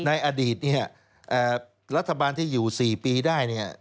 ในอดีตเนี่ยรัฐบาลที่อยู่๔ปีได้เนี่ย